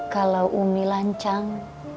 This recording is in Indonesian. kalau umi lancang